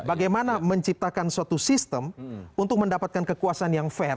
bagaimana menciptakan suatu sistem untuk mendapatkan kekuasaan yang fair